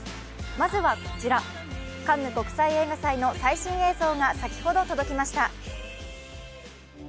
まずはこちら、カンヌ国際映画祭の最新映像が先ほど届きました。